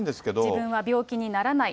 自分は病気にならない。